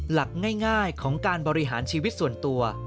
หลักง่ายของการบริหารชีวิตส่วนตัว